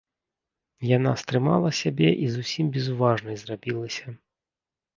Яна стрымала сябе і зусім безуважнай зрабілася.